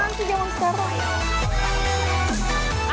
lantai jawa setara ya